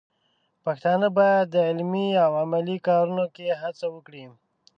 پښتانه بايد د علمي او عملي کارونو کې هڅه وکړي.